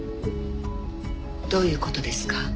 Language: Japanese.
どういう事ですか？